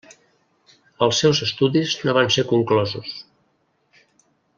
Els seus estudis no van ser conclosos.